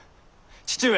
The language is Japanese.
父上。